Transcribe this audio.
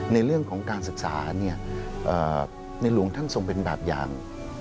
ในเรื่องของการศึกษาในหลวงท่านทรงเป็นแบบอย่าง